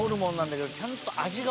ちゃんと。